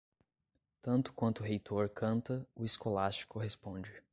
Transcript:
Tanto quanto o reitor canta, o escolástico responde.